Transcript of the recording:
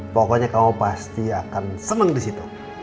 pokoknya kamu pasti akan senang di situ